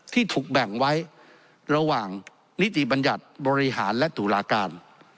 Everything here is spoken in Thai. ที่ถูกแบ่งไว้ระหว่างนิติบัญญัติบริหารและตุลาการ